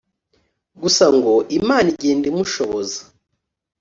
gusa ngo Imana igenda imushoboza